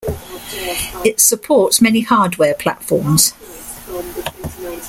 It supports many hardware platforms.